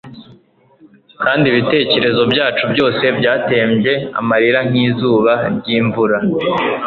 Kandi ibitekerezo byacu byose byatembye amarira nkizuba ryimvura